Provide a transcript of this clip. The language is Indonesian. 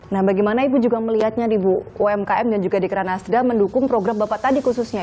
nah bagaimana ibu juga melihatnya nih bu umkm dan juga di kerana sda mendukung program bapak tadi khususnya